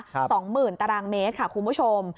สองหมื่นตารางเมตรค่ะคุณผู้ชม